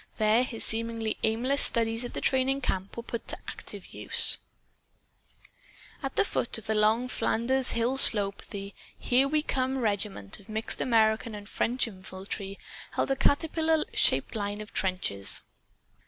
There his seemingly aimless studies at the training camp were put to active use. At the foot of the long Flanders hill slope the "Here We Come" Regiment, of mixed American and French infantry, held a caterpillar shaped line of trenches.